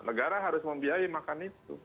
negara harus membiayai makan itu